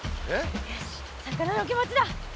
よし魚の気持ちだ。